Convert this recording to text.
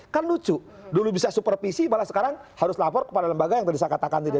kan lucu dulu bisa supervisi malah sekarang harus lapor kepada lembaga yang tadi saya katakan tidak ada di dalam